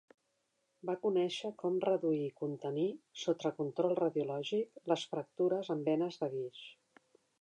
Va conèixer com reduir i contenir, sota control radiològic, les fractures amb venes de guix.